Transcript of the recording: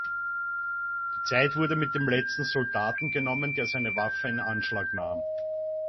Die Zeit wurde mit dem letzten Soldaten genommen, der seine Waffe in Anschlag nahm.